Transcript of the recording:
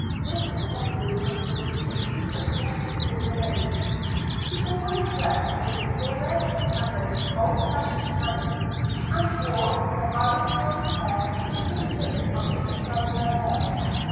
Miss Mackenzie was between sixty and seventy years of age; she always dressed in the severest and most old fashioned manner, and wore her iron gray hair in ringlets on each side of her head.